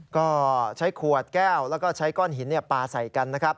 ก็ใช้ขวดแก้วแล้วก็ใช้ก้อนหินปลาใส่กันนะครับ